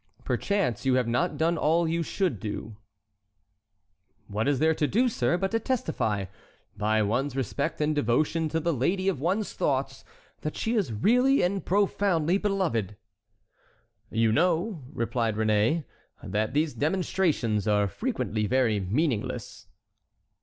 "Perchance you have not done all you should do." "What is there to do, sir, but to testify, by one's respect and devotion to the lady of one's thoughts, that she is really and profoundly beloved?" "You know," replied Réné, "that these demonstrations are frequently very meaningless."